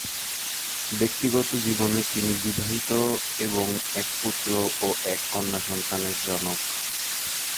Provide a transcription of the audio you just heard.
ব্যক্তিগত জীবনে তিনি বিবাহিত এবং এক পুত্র ও এক কন্যা সন্তানের জনক।